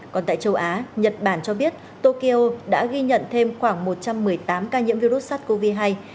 còn tại châu á nhật bản cho biết tokyo đã ghi nhận thêm khoảng một trăm một mươi tám ca nhiễm virus sars cov hai